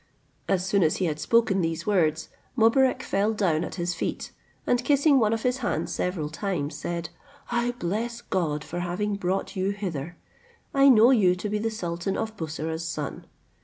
As soon as he had spoke these words, Mobarec fell down at his feet, and kissing one of his hands several times, said, "I bless God for having brought you hither: I know you to be the sultan of Bussorah's son.